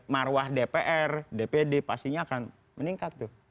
marwah dpr dpd pastinya akan meningkat tuh